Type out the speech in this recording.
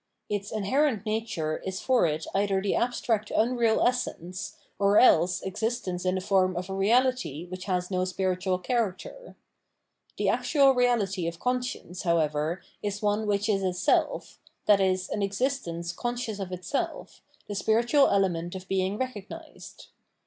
Its inher ent nature is for it either the abstract unreal essence, or else existence in the form of a reality which has no spiritual character. The actual reality of conscience, however, is one which is a self, i.e. an existence conscious of itself, the spiritual element of being recognised.